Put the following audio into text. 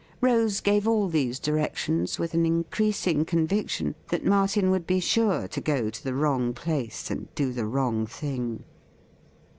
Rose gave all these directions with an increasing conviction that Martin would be sure to go to the wrong place and do the wrong thing.